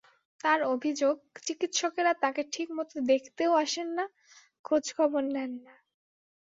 তাঁর অভিযোগ, চিকিৎসকেরা তাঁকে ঠিকমতো দেখতেও আসেন না, খোঁজখবর নেন না।